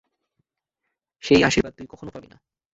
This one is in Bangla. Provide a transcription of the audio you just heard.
সেই আশীর্বাদ তুই কখনও পাবি না!